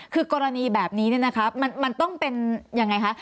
คือกรณีแบบนี้มันต้องเป็นอย่างไรคะ